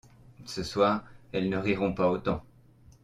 Ce soir elles ne riront pas autant.